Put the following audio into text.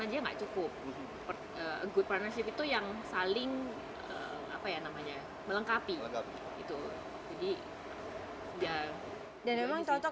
saya pikir itu adalah perjalanan yang baik